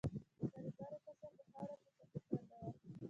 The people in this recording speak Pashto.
د طالبانو کاسه په خاورو کې چپه پرته وه.